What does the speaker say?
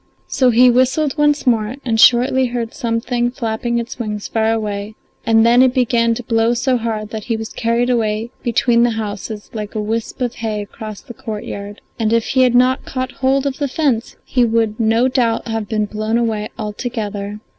So he whistled once more, and shortly heard something flapping its wings far away, and then it began to blow so hard that he was carried away between the houses like a wisp of hay across the courtyard, and if he had not caught hold of the fence he would no doubt have been blown away altogether.